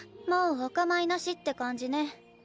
もうおかまいなしって感じね。